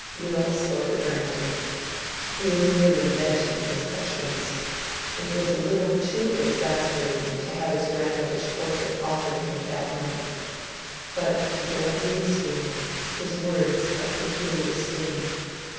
Will spoke at random: he was merely venting his petulance; it was a little too exasperating to have his grandmother's portrait offered him at that moment. But to Dorothea's feeling his words had a peculiar sting.